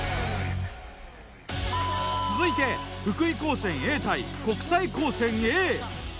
続いて福井高専Ａ対国際高専Ａ。